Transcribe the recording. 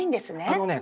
あのね